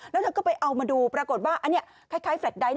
แล้วเธอก็ไปเอามาดูปรากฏว่าอันนี้คล้ายแฟลตไดท